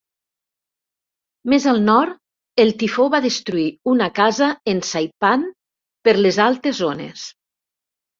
Més al nord, el tifó va destruir una casa en Saipan per les altes ones.